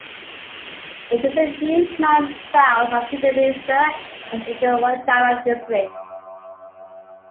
It is a few miles south of Kidderminster and is in Wychavon district.